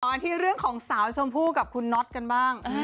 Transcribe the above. ที่เรื่องของสาวชมพู่กับคุณน็อตกันบ้าง